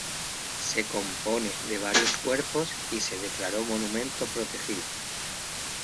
Se compone de varios cuerpos y se declaró monumento protegido.